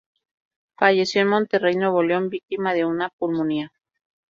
Falleció en Monterrey, Nuevo León víctima de una pulmonía.